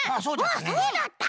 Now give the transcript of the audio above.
あっそうだった！